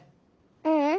ううん。